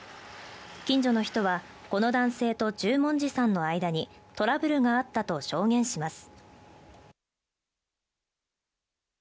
近所の人はこの男性と十文字さんの間にトラブルがあったと証言します。